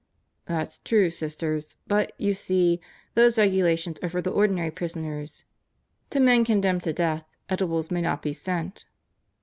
"That's true, Sisters. But you see, those regulations are for the ordinary prisoners. To men condemned to death, edibles may not be sent."